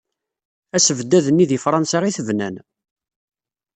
Asebdad-nni di Fransa i t-bnan.